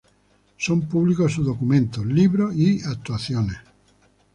Son públicos sus documentos, libros y actuaciones.